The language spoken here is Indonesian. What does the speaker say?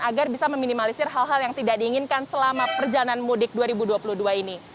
agar bisa meminimalisir hal hal yang tidak diinginkan selama perjalanan mudik dua ribu dua puluh dua ini